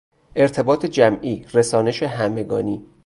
ارتباط جمعی، رسانش همگانی